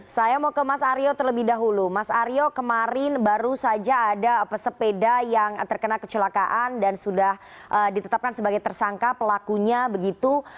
saya mau ke mas aryo terlebih dahulu mas aryo kemarin baru saja ada pesepeda yang terkena kecelakaan dan sudah ditetapkan sebagai tersangka pelakunya begitu